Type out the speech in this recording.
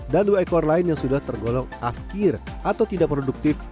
dan dua ekor lain yang sudah tergolong afkir atau tidak produktif